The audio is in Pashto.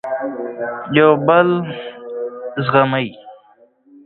یو بل زغمئ.